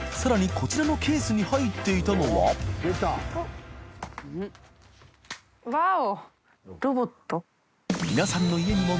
こちらのケースに入っていたのは緑川）わお。